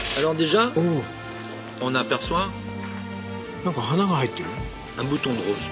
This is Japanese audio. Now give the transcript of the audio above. なんか花が入ってる。